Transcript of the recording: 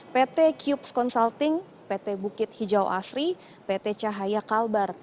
pt cups consulting pt bukit hijau asri pt cahaya kalbar